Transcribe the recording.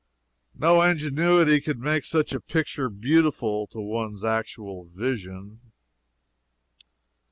No ingenuity could make such a picture beautiful to one's actual vision.